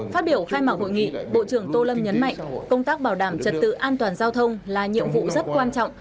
phát biểu khai mạc hội nghị bộ trưởng tô lâm nhấn mạnh công tác bảo đảm trật tự an toàn giao thông là nhiệm vụ rất quan trọng